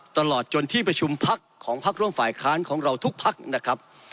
ตลอดจนที่ประชุมพักของพักร่วมฝ่ายค้านของเราทุกพักนะครับ